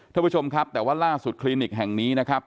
ท่านผู้ชมครับแต่ว่าล่าสุดคลินิกแห่งนี้นะครับ